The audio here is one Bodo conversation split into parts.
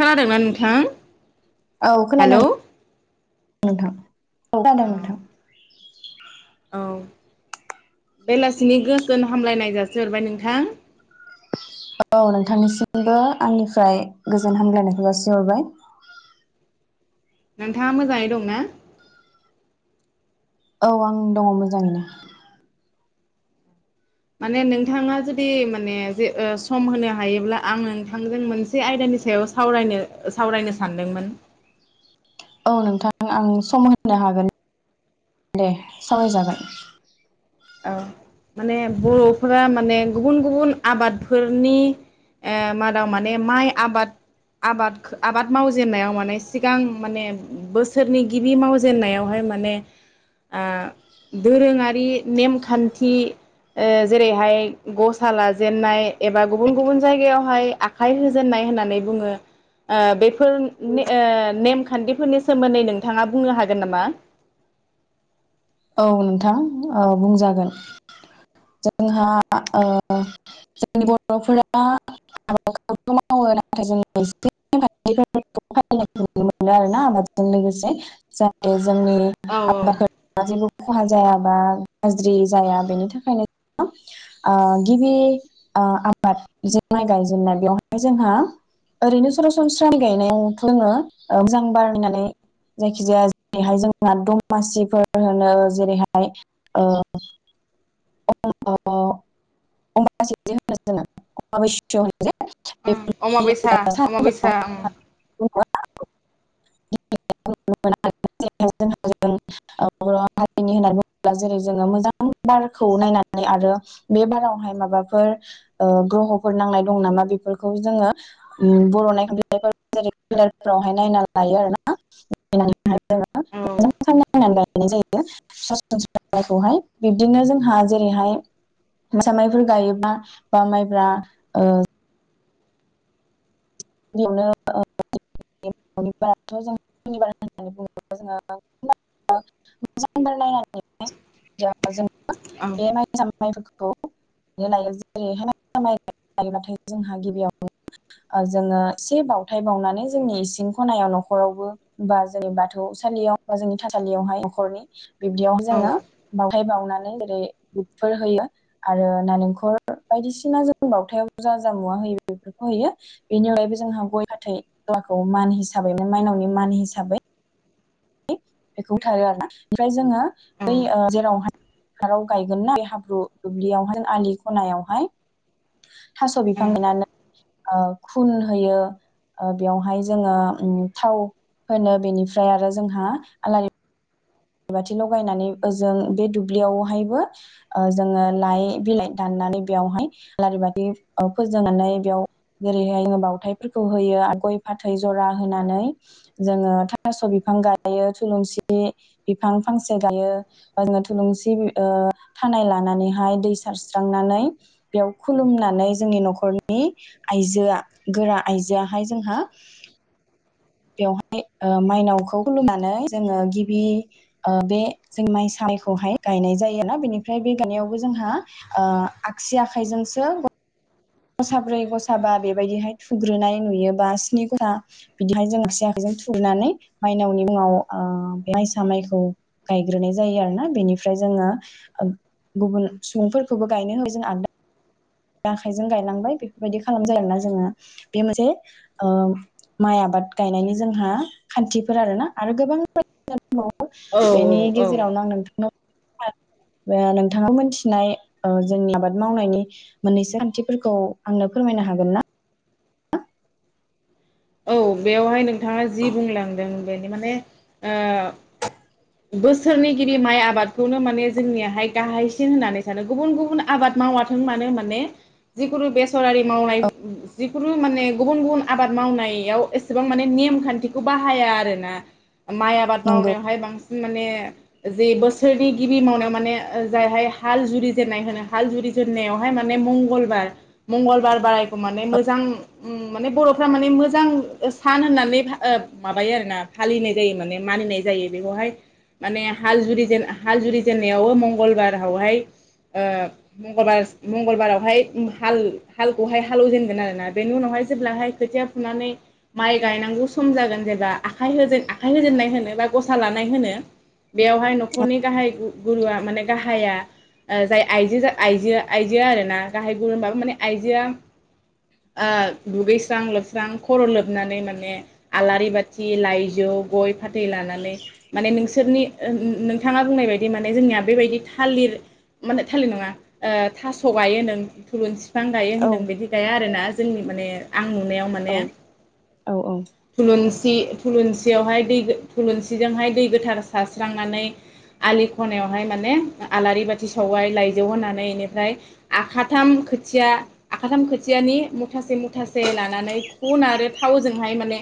खोनादोंना नोंथां औ खोनादों हेलौ। [unintelligible] [inaudible] औ बेलासिनि गोजोन हामलायनाय जासिहरबाय नोंथां। औ नोंथांनिसिमबो आंनिफ्राय गोजोन हामलायनायखौ जासिहरबाय। नोंथाङा मोजाङै दंना? औ आं दङ मोजाङैनो। माने नोंथाङा जुदि माने जे ओ सम होनो हायोब्ला आं नोंथांजों मोनसे आयदानि सायाव सावरायनो सावरायनो सानदोंमोन। औ नोंथां आं सम होनो हागोन दे सावरायजागोन। औ माने बर'फोरा माने गुबुन गुबुन आबादफोरनि ओ मादाव माने माइ आबाद आबादखो आबाद मावजेननायाव माने सिगां माने बोसोरनि गिबि मावजेनन्नायावहाय माने ओ दोरोङारि नेमखान्थि ओ जेरैहाय गसा लाजेनन्नाय एबा गुबुन गुबुन जायगायावहाय आखाइ होजेननाय होननानै बुङो ओ बे - फोर ने ओ नेम खान्थिफोरनि सोमोन्दै नोंथाङा बुंनो हागोन नामा? औ नोंथां ओ बुंजागोन जोंहा ओ जोंनि बर'फोरा आबादखौ मावो नाथाय जों [unintelligible] नुनो मोनो आरोना आबादजों लोगोसे जाहाथे जोंनि औ [unintelligible] खहा जाया बा गाज्रि जाया बेनि थाखायनो ओ गिबि ओ आबाद माइ गायेनाय बेयावहाय जोंहा ओरैनो सरासनस्रा गायनायाव जोङो मोजां बारनानै जायखि जाया जैहाय जोंहा दमासिफोर होनो जेरैहाय ओ [unintelligible] अमाबैसा बेफोरबायदि अमाबैसा उम सानफोराव [unintelligible] खौ नायनानै आरो बे बारावहाय माबाफोर ओ ग्रहफोर नांनाय दं नामा? बेफोरखौ जोङो उम बर नायखां बिलाइफोराव जेरैवहाय नायनानै लायो आरो ना [unintelligible] बिदिनो जों जोंहा जेरैहाय मोसा माइफोर गायोबा बा माइब्रा ओ [unintelligible] [unintelligible] औ ए मायसाम [unintelligible] जोंहा गिबियावनो ओ जोङो एसे बावथाय बावनानै जोंनि इसिं खनायाव नखरावबो बा जोंनि बाथौसालियाव बा जोंनि थसालियावहाय नखरनि बिदियावनो औ जाया बाव थाय बावनानै जेरै बुदफोर होयो आरो नालेंखरल बायदिसिना जों बाथायाव जा जा मुवा होयो बेफोरखौ होयो बेनि अगायैबो जोंहा गय फाथै जराखौ मान हिसाबैनो माइनावनि मान हिसाबै बेखौ होथारो आरो ना ओमफ्राय जोङो बै ओं ओ जेरावहाय फोथाराव गायगोन ना बे हाब्रु दुब्लियावहाय आलि खनायावहाय थास बिफां गानानै ओ खुन होयो ओ बेवहाय जोङो थाव होनो बेनिफ्राय आरो जो जोंहा आलारि लारि बाथि लगायनानै ओजों बे दुब्लियावहायबो ओ जोङो लाइ बिलाइ दाननानै बेयावहाय आलारि बाथि ओ फोजोंनानै बेव बेयाव जेरैहाय बावथायफोरखौ होयो आरो गय फाथै जरा होनानै जोङो थास बिफां गायो थुलुंसि बिफां फांसे गायो बा जोंङो थुलुंसि ओ थानाय लानानैहाय दै सारस्रांनानै बेयाव खुलुमनानै जोंनि नखरनि आइजोआ गोरा आइजोआहाय जोंहा बेवहाय ओ मायनावखौ खुलुमनानै जोङो गिबि ओ बे जों माइसा माइखौहाय गायनाय जायोना बेनिफ्राय बे गायनायावबो जोंहा ओ आगसि आखाइजोंसो गसाब्रै गसाबा बेबायदिहाय थुग्रोनाय नुयोबा स्नि गथा बिदिहाय जों आसि आखाइजों थुग्रोनानै माइनावनि मुङाव ओ बे मायसा माइखौ गायग्रोनाय जायो आरोना बेनिफ्राय जोङो गुबुन सुबुंफोरखौबो गायनो होबाय जों आगदा आखाइजों गायलांबाय बेफोरबायदि खालाम जायो आरोना जोङो बे मोनसे ओ माइ आबाद गायनायनि जोंहा खान्थिफोर आरो ना आरो गोबां बेनि औ औ गेजेरावनो आं नोंथांनाव ओ नोंथाङा मोनथिनाय ओ जोंनि आबाद मावनायनि मोननैसो खान्थिफोरखौ आंनो फोरमायनो हागोन ना? औ बेवहाय नों नोंथाङा जि बुंलांदों। बेनि माने ओ बोसोरनि गिबि माइ आबादखौनो माने जोंनियाहाय गाहायसिन होननानै सानो गुबुन-गुबुन आबाद मावाथों मानो माने जिखुनु बेसरारि मावनाय जिखुनु माने गुबुन-गुबुन आबाद मावनायाव एसेबां माने नेम खान्थिखौ बाहाया आरोना। माइ आबाद नंगौ मावनायावहाय बां माने जि बोसोरनि गिबि मावनायाव माने जायहाय हाल जुरिजेननाय होनो हाल जुरिजेननायावहाय माने मंगलबार मंगलबार बारायखौ माने मोजां माने बर'फ्रा माने मोजां सान होननानै ओ माबायो आरोना फालिनाय जायो माने मालिनाय जायो बेखौहाय माने हाल जुरिेन हाल जुरिजेननायावबो मंगलबारावहाय ओ मंगल मंगलबारावहाय हाल हालखौहाय हालवजेनगोन आरोना बेनि उनावहाय जेब्लाहाय खोथिया फुनानै माइ गायनांगौ सम जागोन जेब्ला आखाइ आखाइ होजेननाय होनो बा गसा लानाय होनो। बेवहाय नखरनि गाहाय गुरुआ माने गाहाया ओ जाय आइजो आइजो आइजो आरोना गाहाय गुरु होनबाबो माने आइजोआ ओ दुगैस्रां लोबस्रां खर' लोबनानै माने आलारि बाथि लाइजौ गय फाथै लानानै माने नों नि नोंथाङा बुंनाय बायदि माने जोंनिया बेबायदि थालिर माने थालिर नङा ओ थास गायो नों थुलुंसि बिफां गायो औ होन्दों बिदि गाया आरोना ज जोंनि माने आं आ नुनायाव औ माने औ औ थुलुंसि सि थुलुंसियावहाय दै थुलुंसिजोंहाय दै गोथार सारस्रांनानै आलि खनायावहाय माने आलारि बाथि सावबाय लाइजौ होनानै बेनिफ्राय आखाथाम खोथिया आखाथाम खोथियानि मुथासे मुथासे लानानै खन आरो थावजोंहाय माने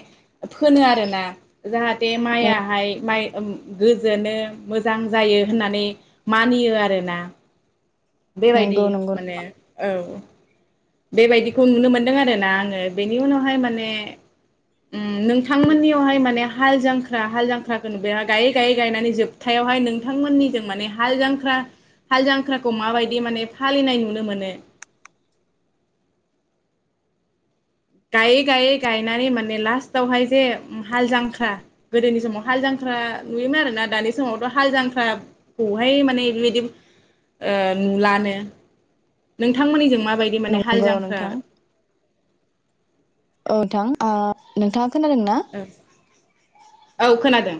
फोनो आरो ना जाहा बे औ माइयाहाय माइ ओम गोजोनो मोजां जायो होननानै मानियो आरोना बेबायदि नंगौ नंगौ माने औ बेबायदिखौ नुनो मोनदों आरो आ आङो बेनि उनावहाय माने उम नोंथांमोननियावहाय माने हाल जांख्रा हाल जांख्राखौ नाय गायै गायै गायनानै जोबथायावहाय नोंथांमोननिजों माने हाल जांख्रा हाल जांख्राखौ माबायदि माने फालिनाय नुनो मोनो गायै गायै गायनानै माने लास्टावहाय जे हाल जांख्रा गोदोनि समाव हाल जांख्रा नुयोमोन आरोना दानि समावथ' हाल जांख्राखौहाय माने बेबायदि ओ नुलानो, नोंथांमोननिजों मा माबायदि माने हाल नंगौ जांख्रा नोंथां औ ओ नोंथां नोंथाङा खोनादों ना औ खोनादों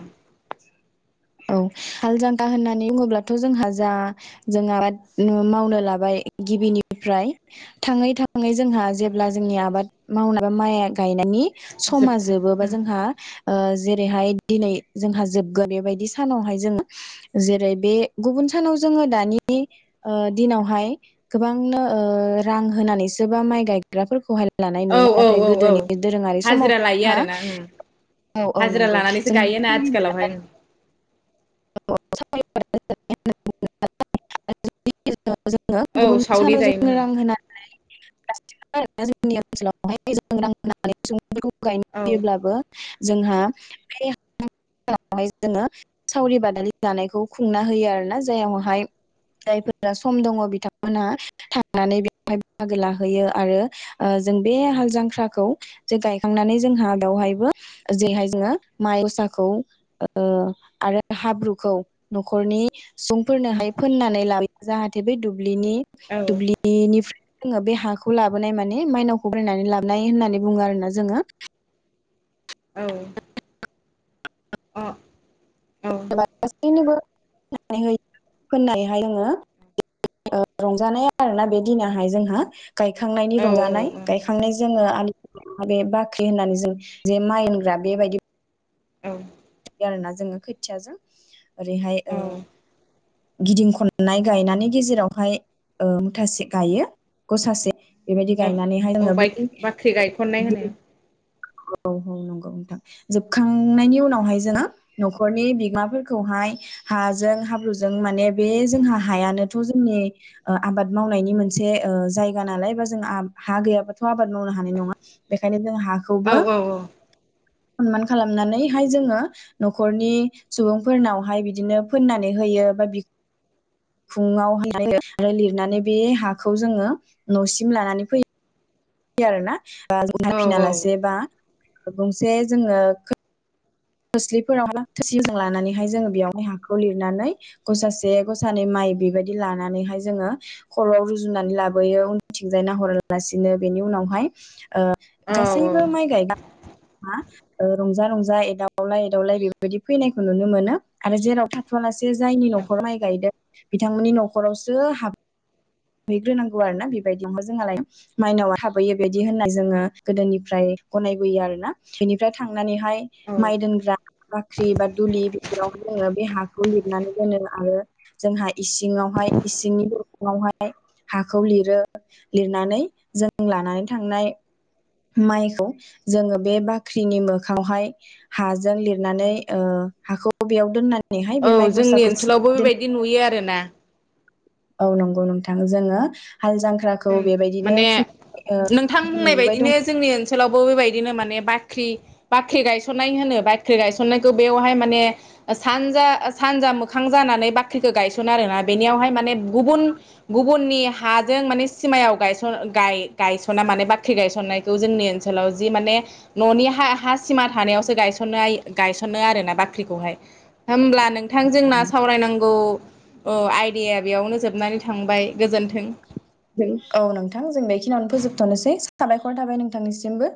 औ हाल जांख्रा होननानै बुङोब्लाथ' जोंहा जा जों आबाद मावनो लाबाय गिबिनिफ्राय थाङै था, ङै जोंहा जेब्ला जोंनि आबाद मावनाय माइआ गायनायनि समा जोबथा जोबो बा जोंहा ओ जेरैहाय दिनै जोंहा जोबगोन बेबायदि स सानावहाय जोङो जेरै बे गुबुन सानाव जोङो दानि ओ दिनावहाय गोबांनो ओ रां होनानैसो बा माइ गायग्राफोरखौ हाय, लानाय औ नुयो औ नाथाय औ औ गोदोनि दोरोङारि हाजिरा समावथ लायो जोंहा आरोना उम औ औ हाजिरा नंगौ लानानैसो जों गायोना आथिखालावहाय [unintelligible] जोङो औ गुबुन सावरि सानाव जायोमोन जोङो रां होनानै [unintelligible] फोरखौ गायनो औ फैयोब्लाबो जोंहा फे जोङो सावरि बादालि जानायखौ खुंना होयो आरोना जायावहाय जायफोरा सम दङ बिथांमोनहा थांनानै बेयावहाय बाहागो लाहैयो आरो ओ जों बे हाल जांख्राखौ जे गायखांनानै जोंहा बेवहायबो जैहाय जोङो माइगसाखौ ओ आरो हाब्रुखौ न'खरनि सुबुंफोरनोहाय फोननानै ला जाहाथे बे दुब दुब्लिनि औ दुब्लिनि [unintelligible] जोङो बे हाखौ लाबोनाय माने माइनावखौ बरायनानै लाबोनाय होननानै बुङो आरो ना जोङो। औ। अह। [unintelligible] [unintelligible] होननायहाय जोङो रंजानाय आरोना बे दिनाहाय जोंहा गायखांनायनि औ रंजानाय गायखांनाय जोङो आलि [unintelligible] बाख्रि होननानै जों जे माइ होनग्रा बेबायदि औ। गारोना जोङो खोथियाजों ओरैहाय ओ औ गिदिं खननाय गायनानै गेजेरावहाय ओ मुथासे गायो गसासे बेबायदि औ गायनानैहाय औ जोङो बे [inaudible] बाइक बाख्रि गायखननाय होनो औ औ नंगौ नोंथां जोबखांनायनि उनावहाय जोङो नखरनि बिगोमाफोरखौहाय हाजों हाब्रुजों माने बे जोंहा हायानोथ' जोंनि ओ आबाद मावनायनि मोनसे ओ जायगा नालाय बा जों हा गैयाबाथ' आबाद मावनो हानाय नङा बेखायनो जों हाखौबो औ औ सनमान खालामनानैहाय जोङो नखरनि सुबुंफोरनावहाय बिदिनो फोननानै होयो बा फुङाव [unintelligible] लिरनानै बे हाखौ जोङो न'सिम लानानै फैयो बि आरो ना [unintelligible] नाय औ फिना लासे बा। गंसे जोङो खोस्लिफोराव थोरसिजों लानानैहाय जोङो बेयावहाय हाखौ लिरनानै गसासे गसानै माइ बेबायदि लानानैहाय जोङो खरआव रुजुनानै लाबोयो उन्दैथिंजाय नाहरालासिनो बेनि उनावहाय औ औ औ गासैबो माइ गायबा बा रंजा रंजा एदाव एदावलाय एदावलाय बेबायदि फैनायखौ नुनो मोनो आरो जेराव थाथआलासे जायनि नखराव माइ गायदों बिथांमोननि न'खराव सो हाब हैग्रोनांगौ आरो ना बेबायदियावनोहाय जोंहालाय माइनाव थाबहैयोबायदि होननाय जोङो गोदोनिफ्राय गनायबोयो आरो ना बेनिफ्राय थांनानै हाय माइ दोनग्रा बाख्रि बा दुलि बेफोराय जोङो बे हाखौ खौ लिरनानै दोनो आरो जोंहा इसिङावहाय इसिंनि [unintelligible] दावहाय। हाखौ लिरो लिरनानै जों लानानै थांनाय माइखौ जोङो बे बाख्रिनि मोखाावहाय हाजों लिरनानै हाखौ बेयाव दोननानै औ जोंनि ओनसोलावबो बेबायदि नुयो आरोना। औ नंगौ नोंथां जोङो हाल जांख्राखौ बेबायदिनो माने खुं ओ नोंथां बुंनाय नुबोबाय दं बायदिनो जोंनि ओनसोलावबो बेबायदिनो माने बाख्रि बाख्रि गायसनाय होनो बाख्रि गायसननायखौ बेयावहाय माने सानजा सानजा मोखां जानानै बाख्रिखौ गायसनो आरोना बेनियावहाय माने गुबुन गुबुननि हाजों माने सिमायाव गायस गाय गायसना माने बाख्रि गायसननायखौ जोंनि ओनसोलाव जि माने न'नि हा हा सिमा थानायावसो गायसननाय गायसनो आरो ना बाख्रिखौहाय होमब्ला नोंथां जोंना सावरायनांगौ आइडिया बेयावनो जोबनानै थांबाय गोजोन्थों। औ नोंथां जों बेखिनियावनो फोजोबथनोसै साबायखर थाबाय नोंथांनिसिमबो।